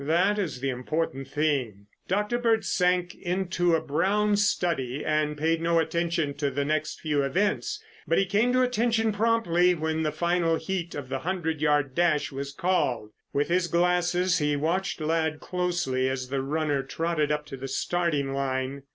That is the important thing." Dr. Bird sank into a brown study and paid no attention to the next few events, but he came to attention promptly when the final heat of the hundred yard dash was called. With his glasses he watched Ladd closely as the runner trotted up to the starting line.